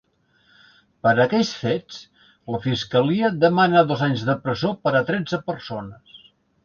Per aquells fets, la fiscalia demana dos anys de presó per a tretze persones.